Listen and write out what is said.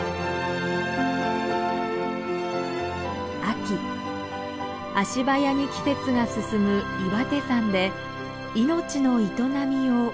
秋足早に季節が進む岩手山で命の営みを見つめます。